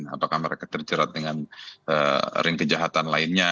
apakah mereka terjerat dengan ring kejahatan lainnya